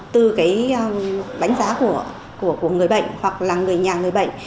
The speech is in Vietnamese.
từ cái đánh giá của người bệnh hoặc là người nhà người bệnh